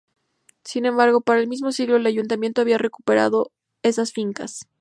Sin embargo para el mismo siglo, el Ayuntamiento había recuperado esas fincas.